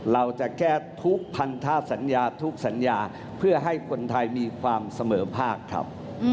เราจะแก้ทุกพันธาสัญญาทุกสัญญาเพื่อให้คนไทยมีความเสมอภาคครับ